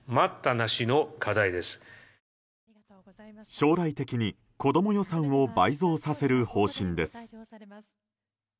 将来的に子ども予算を倍増させる方針です。